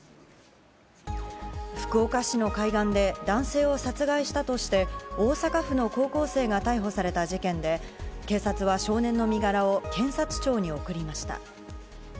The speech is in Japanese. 福岡市の海岸で、男性を殺害したとして、大阪府の高校生が逮捕された事件で、警察は少年の身柄を検察庁に送りました。